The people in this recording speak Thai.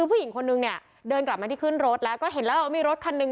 จอดขวางหน้ารถเธอแล้วเกิดอะไรขึ้น